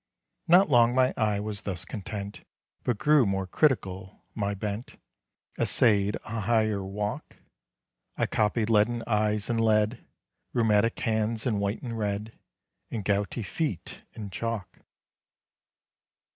Not long my eye was thus content, But grew more critical my bent Essayed a higher walk; I copied leaden eyes in lead Rheumatic hands in white and red, And gouty feet in chalk.